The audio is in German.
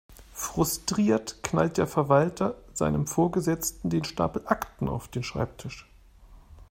Frustriert knallt der Verwalter seinem Vorgesetzten den Stapel Akten auf den Schreibtisch.